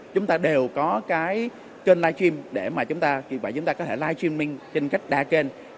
chúng ta đều có cái kênh live stream để mà chúng ta có thể live streaming trên cách đa kênh